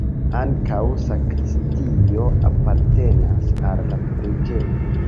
Ankaŭ sakristio apartenas al la preĝejo.